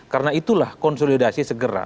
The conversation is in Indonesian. karena itulah konsolidasi segera